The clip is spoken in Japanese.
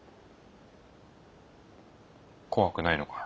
怖くないのか？